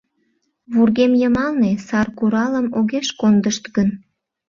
Вургем йымалне саркуралым огеш кондышт гын?